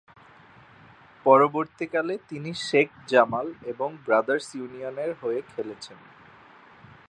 পরবর্তীকালে, তিনি শেখ জামাল এবং ব্রাদার্স ইউনিয়নের হয়ে খেলেছেন।